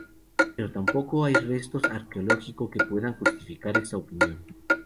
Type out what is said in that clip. Pero tampoco hay restos arqueológico que puedan justificar esta opinión.